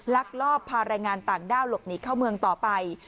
ลักลอบพาแรงงานต่างด้าวหลบหนีเข้าเมืองต่อไป